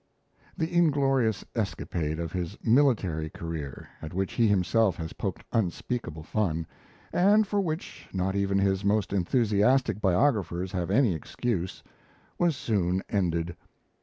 The inglorious escapade of his military career, at which he himself has poked unspeakable fun, and for which not even his most enthusiastic biographers have any excuse, was soon ended.